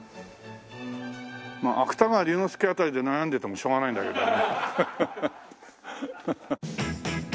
まあ芥川龍之介辺りで悩んでてもしょうがないんだけどね。